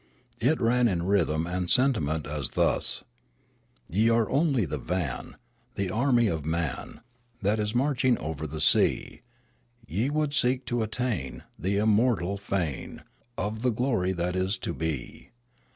It ran in rhythm and sentiment thus: Ye are only the van Of the army of niau That is marching over the sea. Ye would seek to attain The immortal fane Of the glory that is to be.